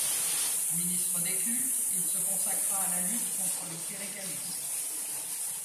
Ministre des Cultes, il se consacra à la lutte contre le cléricalisme.